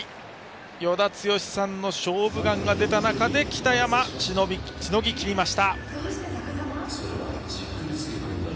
与田剛さんの「勝負眼」が出た中で北山、しのぎきりました。